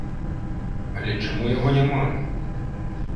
Але чаму яго няма?